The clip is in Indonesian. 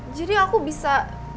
jadi aku bisa